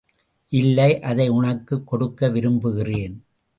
இல்லை, அதை உனக்குக் கொடுக்க விரும்புகிறேன்.